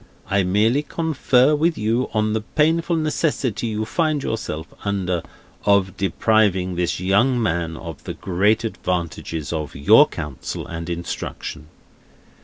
I merely confer with you, on the painful necessity you find yourself under, of depriving this young man of the great advantages of your counsel and instruction."